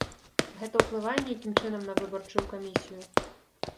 Гэта ўплывае нейкім чынам на выбарчую камісію?